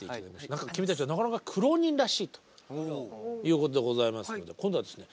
何か君たちはなかなか苦労人らしいということでございますので今度はですね